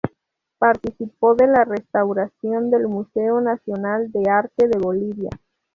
Participó de la restauración del Museo Nacional de Arte de Bolivia.